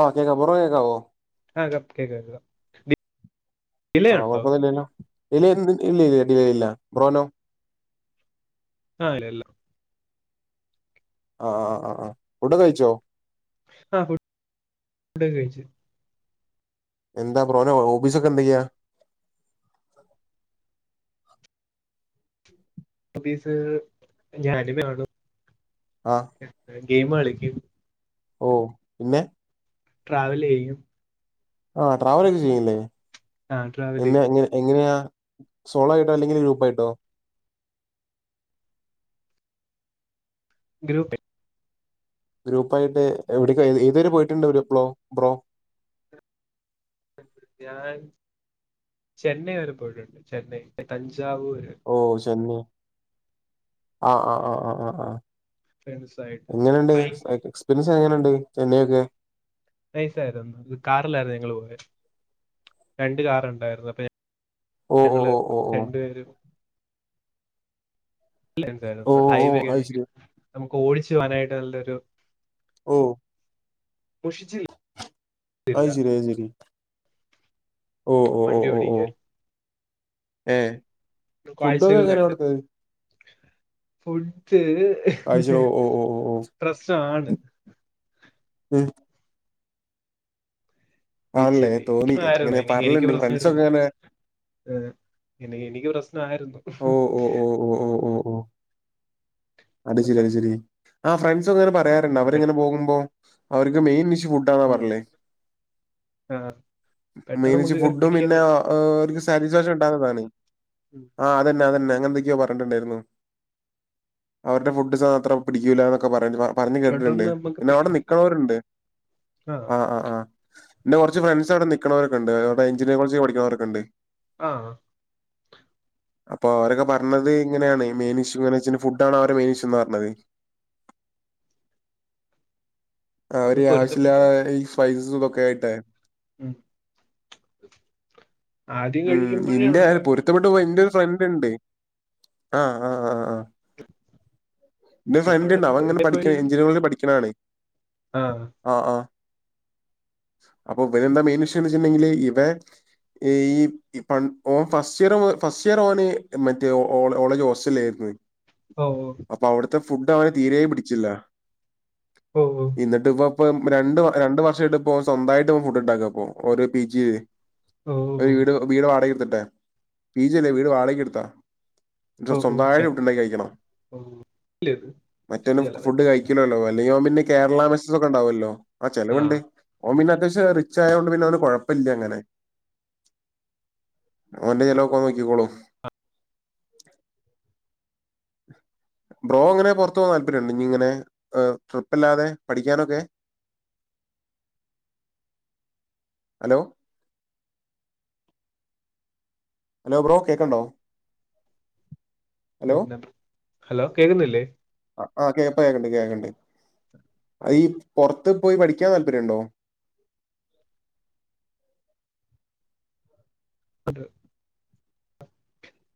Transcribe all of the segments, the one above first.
ആഹ് കെക്കാവോ പറയുന്നെ കെക്കാവോ ആഹ് കപ്പ് കെക്ക കെക്ക വി ആഹ് കോഴ്പ്പോന്നുല്ലേല്ലോ ഇല്ല ഇ ഇല്ല ഇല്ല ടിലെ ഇല്ല ബ്രോനോ ആഹ് ഇല്ലല്ല ആഹ് ആഹ് ആഹ് ആഹ് ഫുഡ് ഒകെ കഴിച്ചോ ആഹ് ഫുഡോക്കെ കഴിച്ചു എന്താ ബ്രോന ഹോബിസോക്കെന്തൊക്യാ ഹോബീസ് ഞാന് [unintelligible] അഹ് എത്ര ഗെയിം കളിക്കും ഓഹ് പിന്നെ ട്രാവലെയ്യും ആഹ് ട്രാവലൊക്കെ ചെയ്യുല്ലേ ആ ട്രാവൽ പിന്നെ ചെയ്യും എങ്ങ എങ്ങനാ സോളോ ആയിട്ടോ അല്ലെങ്കില് ഗ്രൂപ്പ് ആയിട്ടോ ഗ്രൂപ്പ് ഗ്രൂപ്പായിട്ട് എവിടെക്ക ഏതുവരെ പോയിട്ടിണ്ട് പ്ലോ ബ്രോ ഞാൻ ചെന്നൈ വരെ പോയിട്ടുണ്ട് ചെന്നൈ തഞ്ചാവൂര് ഓഹ് ചെന്നൈ ആഹ് ആഹ് ആഹ് ആഹ് ആഹ് ആഹ് ഫ്രണ്ട്സ് ആയിട്ട് എങ്ങെനെണ്ട് ബൈക്ക് സൈ എക്സ്പീരിയൻസ് എങ്ങനെണ്ട് ചെന്നൈ ഒക്കെ നൈസായിരുന്നു ഇത് കാറിലാരുന്നു ഞങ്ങള് പോയെ രണ്ട് കാറിണ്ടായിരുന്നു അപ്പൊ ഓഹ് ഓഹ് ഓഹ് ഓഹ് ഓഹ് വേരും [unintelligible] അവിടുത്തെ ഓ ഓ അത് ഹൈവെക്കെയാണെങ്കിൽ ശരി നമുക്ക് ഓടിച്ചു പോകാനായിട്ട് നല്ലൊരു ഓഹ് മുഷിച്ചിൽ അയ്ശെരി അയ്ശെരി ഓഹ് ഓഹ് ഓഹ് വണ്ടി ഓഹ് ഓടിക്കാൻ ഓഹ് ഏഹ് കാഴ്ചകളിണ്ട് ഫുഡ്ഡ് ആഴ്ചയിൽ ഓ ഓ ഓ ഓ ഓ പ്രശ്നവാണ് ഉം ആണല്ലേ ശരി തോന്നി എനിക് ആര്ന്നു ഇങ്ങനെ എനി എനിക്ക് പറയലുണ്ട് പ്രശ്നം ഫ്രണ്ട്സൊക്കെ ഇല്ലല്ല ഇങ്ങനെ ഏർ എനി എനിക്ക് പ്രശ്നവാരുന്നു ഓഹ് ഓഹ് ഓഹ് ഓഹ് ഓഹ് അത് ശരി അത് പെ- ശരി ആഹ് ഫ്രണ്ട്സൊക്കെ ഇങ്ങനെ പറയാറിണ്ട് പെ- അവരിങ്ങിൾനെ പോകുമ്പോ അവർക്ക് മെയിൻ ഇഷ്യൂ ഫു ആന്നാ ഉം. പർല് ആ, പെട്ടെന്ന് മെയിൻ ഇഷ്യൂ നമുക്ക് ഫുഡ്ഡും പിന്നെ പിടിക്കത്തില്ല ആഹ് അവര്ക്ക് സ് സാറ്റിസ്‌ഫാക്ഷൻ ഉണ്ടാവുന്നതാണ് ഉം. ആഹ് അതന്നെ അതന്നെ അങ്ങനെന്തൊക്കെയോ പറഞ്ഞിട്ടുണ്ടായിരുന്നു അവരുടെ ഫുഡ് മാത്രം പിടിക്കൂല്ല എന്നൊക്കെ പറ പറഞ്ഞ് കേട്ടിട്ടുണ്ട് പെട്ടെന്ന് നമുക്ക് പിന്നെ അവിടെ പിടിക്കില്ല നിക്കണൂരുണ്ട് ആ ആഹ് ആഹ് ആഹ് എന്റെ കുറച്ച് ഫ്രണ്ട്സ് അവിടെ നിൽക്കുന്നവരെ ക്കണ്ട് അവിടെ എഞ്ചീനിയർ കോഴ്സ് പഠിക്കുന്നവരൊക്കെ ഉണ്ട് ആഹ് അപ്പൊ അവരൊക്കെ പറഞ്ഞത് ഇങ്ങനെയാണ് മെയിൻ ഇഷ്യൂങ്ങനെ വെച്ച ഫുഡ് ആണ് അവരെ മൈൻസ് എന്ന് പറഞ്ഞത് ആഹ് അത് അവര് ആവശ്യമില്ലാ പൊരുത്തപ്പെട്ട ഈ സ്പൈസസ് ഇതൊക്കെ ആയിട്ടേ ഉ ആദ്യം കഴിക്കുമ്പോഴേ ഉള്ളത് ഇഷ്ടപ്പെട്ട് പോയ ഇന്റെ ഒരു ഫ്രണ്ട് ഇണ്ട് ആഹ് ആഹ് ആഹ് ആഹ് ന്റെ പിന്നെ ഫ്രണ്ട് അവിടെ ഇണ്ടവൻ ഇങ്ങന പോയി പഠിക്കാണ് എഞ്ചിനയറിങ് കോളേജിൽ പഠിക്കണാണ് ആഹ് ആഹ് ആഹ് അപ്പൊ ഇവരെ എന്താ മെയിൻ വിഷയംന്ന് വെച്ചിട്ടുണ്ടെങ്കില് ഇവ ഈ ഓൻ ഫസ്റ്റ് ഇയർ ഫസ്റ്റ് ഇയർ ഓന് മറ്റേ ഓ കോളേജ് ഹോസ്റ്റല ആയിരുന്നു ഓ ഓ അപ്പൊ അവിടുത്തെ ഫുഡ് അവനെ തീരെ പിടിച്ചില്ല ഓ എന്നിട്ട് ഇപ്പ ഇപ്പ രണ്ട് രണ്ട് വർഷമായിട്ട് ഇപ്പോൾ സ്വന്തമായിട്ട് ഫുഡ് ഉണ്ടാക്കുക അപ്പോ ഓരോ പി ജി ഓ ഒരു വീട് വീട് വാടക എടുത്തിട്ടെ പീജല്ലേ വീട് വാടകക്ക് എടുത്താ ഓ ഓ സ്വന്തമായിട്ട് ശരി ഫുഡ്ണ്ടാക്കി ഓ ല്ല മറ്റൊന്നും ഫുഡ് കഴിക്കലോല്ലോ അല്ലെങ്കിൽ അവൻ പിന്നെ കേരള മെസസ് ഒക്കെ ഉണ്ടാവുമല്ലോ ആ ചിലവുണ്ട് ഓൻ പിന്നെ അത്യാവശ്യം റിച്ച് ആയത് കൊണ്ട് പിന്നെ അവന് കുഴപ്പമില്ല അങ്ങനെ അവൻ്റെ ചിലവൊക്കെഅവൻ നോക്കിക്കോളൂ ഉം ബ്രോ ഇങ്ങനെ പുറത്ത് പോകാൻ താല്പര്യമുണ്ടോ ഇനി ഇങ്ങനെ ട്രിപ്പല്ലാതെ പഠിക്കാനൊക്കെ ഹലോ ഹലോ ബ്രോ കേക്ക്ൺണ്ടൊ പിന്ന ഹലോ കേക്ക്ന്നില്ലെ ആഹ് കേപ്പ കേക്ക്ൺണ്ട് കേക്ക്ൺണ്ട് അതീ പൊറത്ത് പോയി പഠിക്കാൻ താല്പര്യണ്ടൊ അത്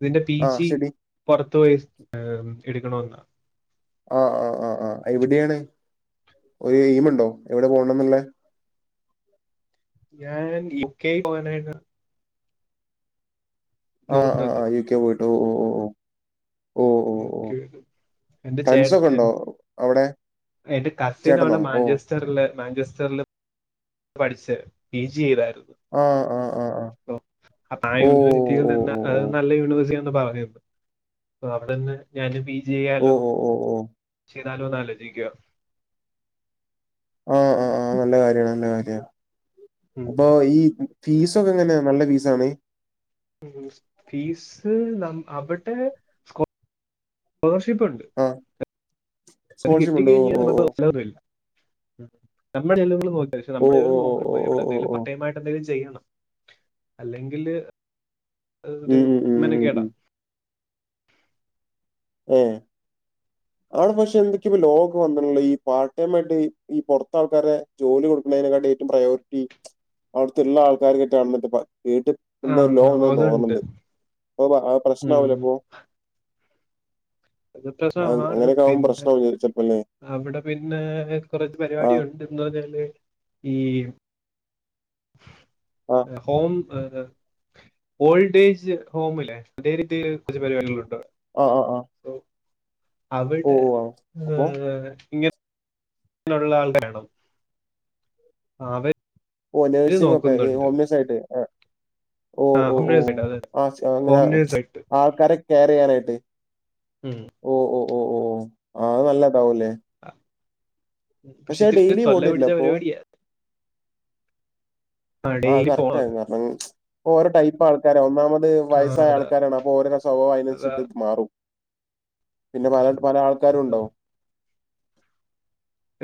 ഇതിന്റെ പീ ആ ജി ശരി പൊറത്ത് പോയി എടുക്കണോന്നാ ആഹ് ആഹ് ആഹ് എവിടെയാണ് ഒരു എയിമ്ണ്ടൊ എവ്ടെ പോണന്ന്ള്ളെ ഞാന് യൂ കെ പോവാനായ് നോർ [unintelligible] ക്കെ പോയ്ട്ടൊ ഓഹ് ഓഹ് ഓഹ് യൂ ക്കെ എന്റെ ടൈൽസൊക്കെ ചേട്ട ഉണ്ടോ അവിടെ? എന്റ കസിനാണ് ചേട്ടനോ? ഓ. മാൻഞ്ചെയ്സ്സ് സ്റ്ററർല് മാൻഞ്ചസ്റ്റർല് പഠിച്ച് പീ ജി ചെയ്താർന്നു ആഹ് ആഹാ അപ്പൊ ആഹ് ഓ! യൂണിവെഴ്സിറ്റിയിൽനിന്ന ഓ! ഓ! അയ് നല്ല യൂണിവേഴ്സ്റ്റി ആന്ന് പറഞിരുന്നു ആഹ് അവിടന്ന് ഞാന് പീ ജി ഓ! ചെയ്യാലൊ ഓ! ഓ! ഓ! ചെയ്താലോന്ന് ആലോചിക്ക ആഹ ആഹ് ആഹ് നല്ല കാര്യാണ് നല്ല കാര്യാ അപ്പൊ ഈ ഫീസൊക്കെങ്ങനെ നല്ല ഫീസാണ് ഫീസ് നമ് അവടേ സ്കോളർഷപ്പ്ണ്ട് ആഹ് അത് കിട്ടി കഴ്ഞ്ഞ നമുക്ക് എല്ലാം റെഡി ഇല്ല നമ്മ്ടെ ചിലവുകള് നോക്ക പഷെ ഓ! നമ്മള് ഇവ് ഓ! ഓ! ഓ! ഓ! നോക്ക്ണം എവടെ ഓ! എന്തേലും ഓ! ഓ! പട്ടയമായ്ട്ട് എന്തെങ്കിലും ചെയ്യണം അല്ലെങ്കില് ഉം, ഒരു ഉം, ഉം, ഉം, ഉം, മെനക്കേടാ ഉം. ഏഹ് അവടെ പഷെ എന്തൊക്കെ ലോക് വന്ന്ട്ട്ള്ള ഈ പാർട്ട് ടൈമായിട്ട് ഈ പൊർത്താൾക്കാരെ ജോലി കൊട്ക്കെന്നേനെക്കാട്ടി ഏറ്റവും പ്രയോർറ്റി അവിട്ത്ത്ള്ളാൾക്കാർക് കെറ്റ്ണ കേട്ട് എന്താ ആഹ് ലോൺ ആഹ് എന്ന അതുണ്ട്. തോന്ന്ൺണ്ട് അപ്പൊ ഉം പ്രശ്നവൂലപ്പൊ അത് ആഹ് പ്രസമാണ് അങ്ങനെയൊക്കെ ആകുമ്പോ പിന്നെ പ്രശ്നാവും ചെലപ്പല്ലേ അവടെ പിന്നെ കൊറച്ച് ആഹ് പരിപാടിയുണ്ട് എന്തൊച്ചാല് ഈ ആഹ് ഹോം ഏഹ് ഏഹ് ഓൾഡേജ് ഹോമില് ഇതേ രീതിയില് കൊർച്ച് പരിപാടികള് ഉണ്ടോ ആഹ് ആഹ് ആഹ് സ ഓ അവടെ ഓ ആഹ് അപ്പൊ ഏഹ് ഇങ്ങനെ ളുള്ളാൾടെ ആണൊ ഓഹ് നെഴ്സിംഗൊക്കെ ഹോംനയ്സായിട്ട് ആഹ് ഓഹ് ആഹ് ഓഹ് ഹോം നേഴ്സായിട്ട് ഓഹ് അതെ ആഹ് ഇങ്ങന ഹോം നേഴ്സായിട്ട്. ആൾക്കാരെ കെയറീയ്യാനായ്ട്ട് ഉം ഓഹ് ഓഹ് ഓഹ് ഓഹ് ആഹ് അത് നല്ലൊണ്ടാവുലെ ആഹ് പഷെ ഇച്ചിരി ഡെയിലി പോകേണ്ടി തൊല്ല വരില്ലേ പിടിച്ച അപ്പൊ പരിപാടിയ ആഹ് ഡെയിലി പോണം. കറക്റ്റായിരുന്നു കാരണം ഓരോടൈപ്പൾക്കാരാണ് ഒന്നാമത് ആഹ് വയസ്സായ അതാ ആൾക്കാരാണ് അപ്പൊ ഒരെ സ്വഭാവ അതാ അയിനുസരിച്ചിട്ട് മാറും മാറും പിന്ന പല പല ആ. ആൾക്കാരുണ്ടാവും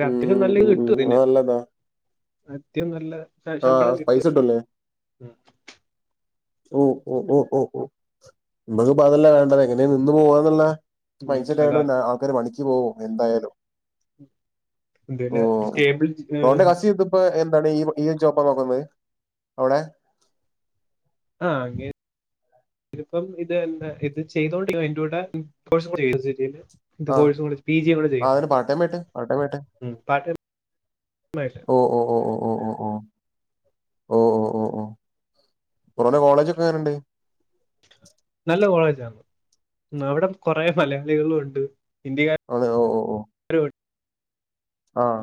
രാത്രി നല്ലത് ഉം ഉം കിട്ടൊ ഇതിന് അത് നല്ലതാ ആദ്യം നല്ല ശമ്പളം ആഹ് പൈസ കിട്ടുവല്ലൊ കിട്ടൂല്ലേ ഓഹ് ഓഹ് ഓഹ് ഓഹ് ഓഹ് ഇമ്മക്ക് പ്പതല്ല വേണ്ടത് എങ്ങനെ നിന്ന് പോവാന്ന്ള്ള ഉം. മൈൻഡ്സെറ്റായോണ്ട് അതാ പിന്ന ആൾക്കാര് പണിക്ക് പോവും എന്തായാലും ഇതിന് സ്റ്റേബ്ൾ ഏഹ് ഇപ്പൊ എന്താണ് ഈ ഈ ജോപ്പാ നോക്കുന്നത് അവിടെ ആഹ് അങ്ങ ഇതിപ്പം ഇത് എന്താ ഇത് ചെയ്തോണ്ട് അയ്ന്റോട കോഴ്‌സും ചെയ്ത് ഇന്ത് ആ കോഴ്സു കൂടെ പി ജി കൂടെ ആ അതിന് ചെയ്യുന്നുണ്ട് പാർട്ട് ടൈം ആയിട്ട് പാർട്ട് ടൈം ആയിട്ട് ഉം പാടൈം ഓ ഓ ഓ ഓ ഓ ഓ ഓ ഓ ഓ ഓ ഓ ഒറന്ന കോളേജൊക്കെ എങ്ങന്ണ്ട് നല്ല കോളേജാ അവിടെ കൊറേ മലയാളികളും ഉണ്ട് ഹിന്ദിക്കാ അതെയോ ഒഒ ഓ അരുവെട് ആഹ്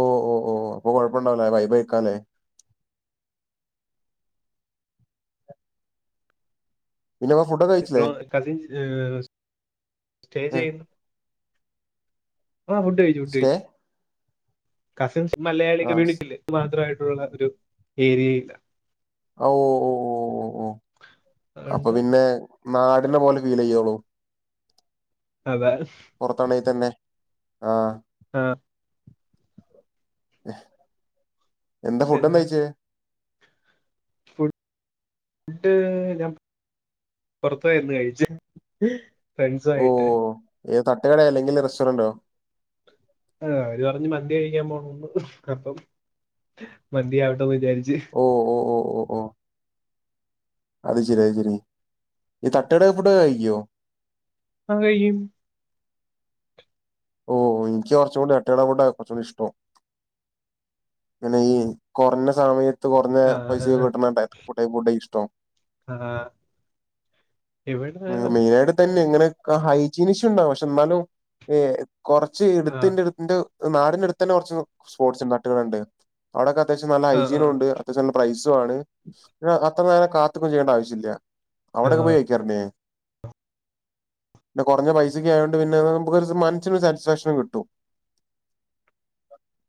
ഓ ഓ ഓ അപ്പൊ കൊഴപ്പണ്ടാവൂല വൈ ഫൈ ക്കാലെ പിന്നെ വാ ഫുഡൊക്ക ഇപ്പൊ കസിൻ സ്റ്റേ ചെയ്യുന്ന ആഹ് ഫുഡ് കഴിച്ചു ഫുഡ് സ്റ്റേ കഴിച്ച് കസിൻസ് മലയാളി ആ സ്- കമ്മ്യൂണിറ്റീല് മാത്രമായിട്ടുള്ള ഒരു ഏരിയ ഇല്ല ഓ ഓ ഓ ഓ ഓ അപ്പൊ അതുകൊണ്ട് പിന്നെ നാടിന പോലെ ഫീലെയ്യോളൂ അതാസ് പൊറത്താണെങ്കി തന്നെ ആഹ് ആഹ് എന്താ ഫുഡ് എന്താ പിന്നെ കഴിച്ചേ ഫുഡ് ഞാൻ പൊറത്തായിരുന്നു കഴിച്ചെ ഫ്രണ്ട്സുമായിട്ട് ഏ തട്ടുകടെ അല്ലെങ്കില് റെസ്റ്റോറന്റോ ആഹ് അവര് പറഞ്ഞ് മന്തി കഴിക്കാൻ പോണോന്ന് അപ്പം മന്തി ആവട്ടന്ന് വിചാരിച്ച് ഓ ഓ ഓ ഓ ഓ അത് ശരി അത് ശരി ഈ തട്ട്കടേ ഫുഡൊക്ക‌ കഴിക്കുവോ അ കഴികും ഓ എനിക്ക് കൊറച്ചൂടെ തട്ടെട ഫുഡാ കുറച്ചൂടി ഇഷ്ട്ടം പിന്ന ഈ കൊറഞ്ഞ സമയത്ത് കൊറഞ്ഞ ആ പൈസക്ക് കിട്ടണ ഡെറ്റ് ഫുടേ ഫുഡാ ഇഷ്ടോം ആ, എവിടെ ഉം മെയിനായിട്ട് തന്നെ ഇങ്ങനെ ആഹ്‌ ഹൈജീനിഷ്യു ഉണ്ടാവും പക്ഷെ എന്നാലും ഏ കുറച്ച് ഈ ആ ആ ഇട്ത്തിന്റട് ഇന്റ നാടിനടുത്തന്നെ കൊറച്ച് സ്പോർട്സ് ഇൻടാക്ട്കള്ണ്ട് അവിടേക്കെ അത്യാവശ്യം നല്ല ആ ഹൈജീനും ഒണ്ട് അത്യാശ്യം നല്ല പ്രൈസും ആണ് അത്ര നേരം കാത്തുക്കും ചെയ്യേണ്ട ആവശ്യല്ല ആ അവിടെക്കെ പോയി [unintelligible] കൊറഞ്ഞ പൈസക്കായോണ്ട് പിന്നെ നമുക്കൊരുസം മൻ ച്ചിരിയൊരു സാറ്റിസ്ഫാക്ഷൻ കിട്ടും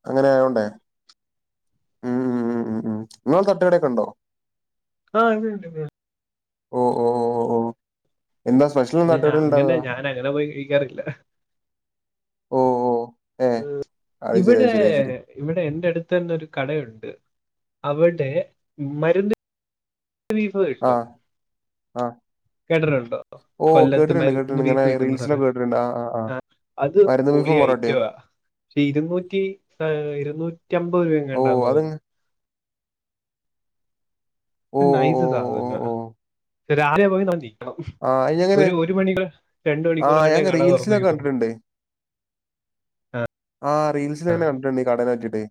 അങ്ങനെ ആയോണ്ടേ ഉം ഉം ഉം ഉം ഉം നിങ്ങള തട്ടുകടേക്ക ഉണ്ടോ ആഹ് ഇണ്ട്ണ്ട് ണ്ട് ഓ ഓ ഒ ഒ ഓ എന്താ സ്പെഷ്ൽ പിന്നെ ഞ അങ്ങനെ ഞാനങ്ങനെ പോയി കഴിക്കാറില്ല ഓ ഓ ഏ ഉം അത് ശരി അത് ഇവിടേ ശരി അത് ശരി ഇവിടെ എന്റെ അടുത്തന്നെ ഒരു കടയുണ്ട് അവിടെ മരുന്നി ബീഫ് കിട്ടും ആഹ് കേട്ടിട്ടുണ്ടോ കൊല്ലത്ത് മരുന്ന് കേട്ടിട്ടുണ്ട് ഇങ്ങനെ ബീഫ് കിട്ടുന്ന സ്ഥലം റീൽസിലൊക്കെ കേട്ടിട്ടുണ്ട് ആ ആ ആ ആഹ് അത് മരുന്ന് പൊളി ബീഫും പൊറോട്ടയും ഐറ്റവാ ഇരുന്നൂറ്റി ആ ഇരുന്നൂറ്റമ്പത് ഓ രൂപയെങ്ങാണ്ടാന്ന് അത് തോന്നുന്നു ഓ ഓ നൈസ് ഓ ഓ സാധനാ ഓ ഓ രാത്രി [unintelligible] എടൊ ആ അയിനെങ്ങനെ ഒരു ഒരു മണി രണ്ട് ആ മണിക്കൂർ എങ്ങാണ്ടേ ഞാൻ കട തുറന്ന് റീൽസിലൊക്കെ വക്കത്തുള്ളൂ കണ്ടിട്ടുണ്ട് ആഹ് റീൽസിലന്ന കണ്ടിട്ടുണ്ട് ഈ കടേനപറ്റീട്ട്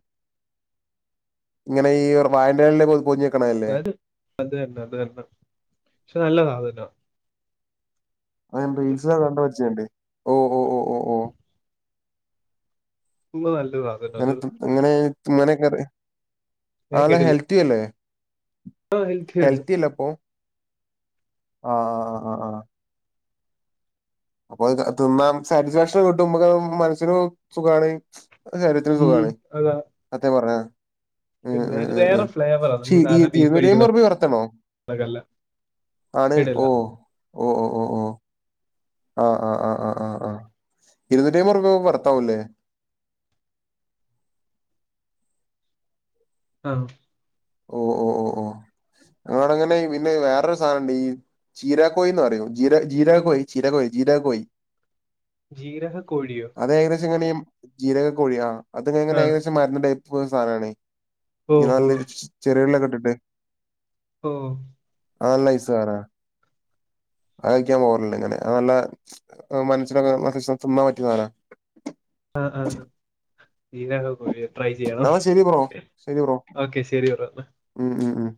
ഇങ്ങനെ ഈ [unintelligible] പോഞ്ഞ് അതായത് അത് തന്നെ അത് തന്നെ പക്ഷെ നല്ല സാധനാ [unintelligible] ഓ ഓ ഓ ഫുള്ള് നല്ലൊര് ഭാഗല്ലത് അങ്ങനെ ഇങ്ങനെക്കറി ഞാൻ ആള് കേട്ടില്ല ഹെൽത്തിയല്ലേ ആ ഹെൽത്തിയാണ് ഹെൽത്തില്ലപ്പൊ ആഹ് ആഹ് ആഹ് ആഹ് അപ്പൊ തിന്നാം സാറ്റിസ്ഫാക്ഷൻ കിട്ടും മ്മക്ക് മനസ്സിനു സുഖാണ് ഉം, ശരീത്തിനുസുഖാണ് അതാ സത്യം പറഞ്ഞ പിന്നെ അത് വേറെ ഫ്ലേവറാണ് നമ്മൾ സാധാരണ ബീഫ് [unintelligible] കഴിക്കുന്നതല്ല ആണ് കേട്ടില്ല ഓഹ് ഓഹ് ഓഹ് ഓഹ് ആഹ് ആഹ് ആഹ് ആഹ് ആഹ് ഇരുന്നൂറ്റയ്മ്പറുപ്പ്യ [unintelligible] [unintelligible] ഓഹ് ഓഹ് ഓഹ് ഓഹ് ഞങ്ങടോടങ്ങനെ പിന്നെ വേറൊരു സാനുണ്ട് ഈ ചിരാക്കോയ്ന്നറിയും ജീര ജീരാകോയ് ചീരാകോയല്ല ജീരാകോയ് ജീരഹ കോഴിയോ അത് ഏകദേശം എങ്ങനെയി ജീരകകോഴി ആഹ് ആ അതിങ്ങനെ ഏകദേശം മരുന്ന ടൈപ്പ് സാധനാണ് ഓ ഓ ഇങ്ങനല്ല് ചെറിയുള്ളീകിട്ടിട്ട് ഓഹ് അത് നല്ല നൈസാന അത് കയ്ക്കാൻ പോവറില്ലിങ്ങനെ അത് നല്ല മനസ്സിനൊക്കെ [unintelligible] തിന്നാൻ പറ്റിയസാന ആഹ് ആഹ് ജീരക [unintelligible] ട്രൈ ചെയ്യണം എന്നാ ശരി ബ്രോ ശരി ബ്രോ ഓക്കെ ശരി [unintelligible] ഉം ഉം ഉം